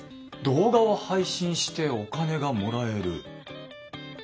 動画を配信してお金がもらえる。